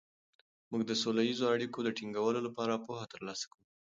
موږ د سوله ییزو اړیکو د ټینګولو لپاره پوهه ترلاسه کوو.